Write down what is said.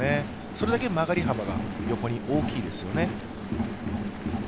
それだけ曲がり幅が横に大きいですよね。